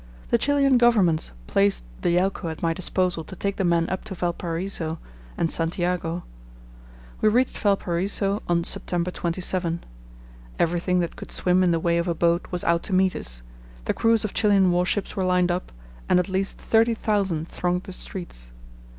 The Chilian Government placed the Yelcho at my disposal to take the men up to Valparaiso and Santiago. We reached Valparaiso on September 27. Everything that could swim in the way of a boat was out to meet us, the crews of Chilian warships were lined up, and at least thirty thousand thronged the streets.